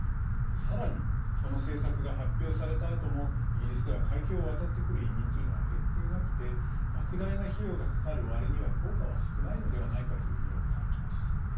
さらに、この政策が発表されたあともイギリスでは海峡を渡ってくる移民というのは減っていなくてばく大な費用がかかる割には効果は少ないのではないかという議論もあります。